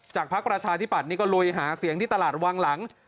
พักประชาธิบัตย์นี่ก็ลุยหาเสียงที่ตลาดวังหลัง